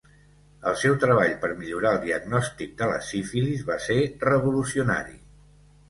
El seu treball per millorar el diagnòstic de la sífilis va ser revolucionari.